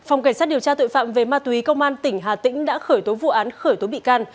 phòng cảnh sát điều tra tội phạm về ma túy công an tỉnh hà tĩnh đã khởi tố vụ án khởi tố bị can